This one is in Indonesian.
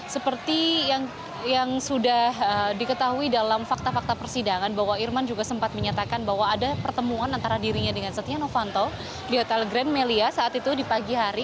seperti yang sudah diketahui dalam fakta fakta persidangan bahwa irman juga sempat menyatakan bahwa ada pertemuan antara dirinya dengan setia novanto di hotel grand melia saat itu di pagi hari